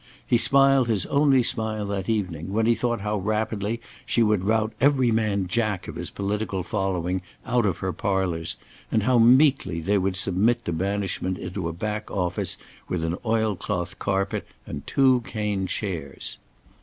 He smiled his only smile that evening when he thought how rapidly she would rout every man Jack of his political following out of her parlours, and how meekly they would submit to banishment into a back office with an oil cloth carpet and two cane chairs.